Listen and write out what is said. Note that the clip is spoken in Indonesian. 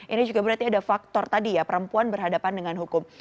ini juga berarti ada faktor tadi ya perempuan berhadapan dengan hukum